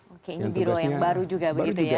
oke ini biro yang baru juga begitu ya